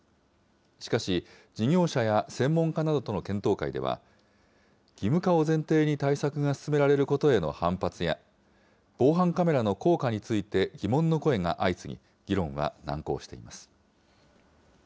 しかし、事業者や専門家などとの検討会では、義務化を前提に対策が進められることへの反発や、防犯カメラの効果について疑問の声が相次ぎ、議論は難航しています。